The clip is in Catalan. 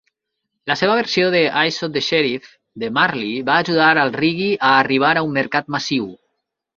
La seva versió de "I Shot the Sheriff" de Marley va ajudar al reggae a arribar a un mercat massiu.